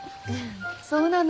そうなの？